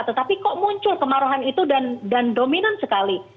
tetapi kok muncul kemarahan itu dan dominan sekali